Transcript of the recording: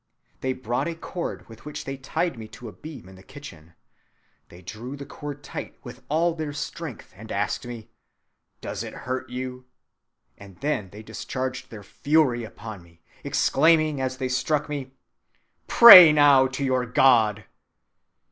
They brought a cord with which they tied me to a beam in the kitchen. They drew the cord tight with all their strength and asked me, 'Does it hurt you?' and then they discharged their fury upon me, exclaiming as they struck me, 'Pray now to your God.